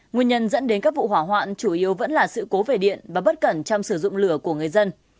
nguyên nhân dẫn đến các vụ hỏa hoạn chủ yếu vẫn là sự cố về điện và bất cẩn trong sử dụng lửa của người dân